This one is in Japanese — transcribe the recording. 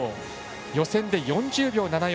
予選で４０秒７４。